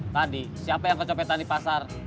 tadi siapa yang kecopetan di pasar